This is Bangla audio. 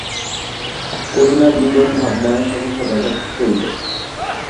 করুণার বিজন ভাবনায় সহসা ব্যাঘাত পড়িল।